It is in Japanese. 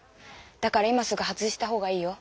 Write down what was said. だから今すぐ外した方がいいよ。